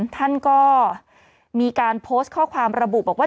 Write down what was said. ท่านก็มีการโพสต์ข้อความระบุบอกว่า